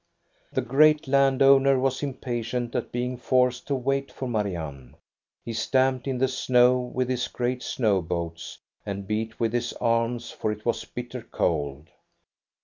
The great land owner was impatient at being forced to wait for Marianne. He stamped in the snow with his great snow boots and beat with his arms, for it was bitter cold.